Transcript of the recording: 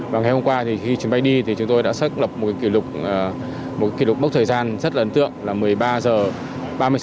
và ngày hôm qua thì khi chuyến bay đi thì chúng tôi đã xác lập một kỷ lục một mốc thời gian rất là ấn tượng là một mươi ba h ba mươi sáu